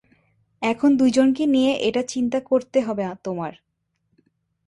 এখন দুইজনকে নিয়ে এটা চিন্তা করতে হবে তোমার।